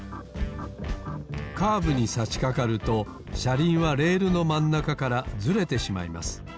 カーブにさしかかるとしゃりんはレールのまんなかからずれてしまいます。